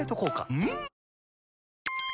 うん！